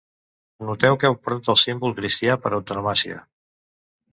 Noteu que heu perdut el símbol cristià per antonomàsia.